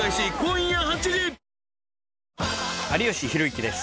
有吉弘行です。